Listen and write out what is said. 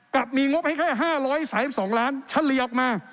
กับมีงบให้แค่๕๓๒ล้านเฉลี่ยออกมา